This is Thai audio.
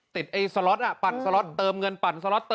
ติดสโลตปั่นสโลตเติมเงินปั่นสโลต